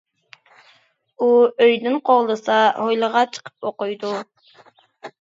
ئۇ ئۆيدىن قوغلىسا، ھويلىغا چىقىپ ئوقۇيدۇ.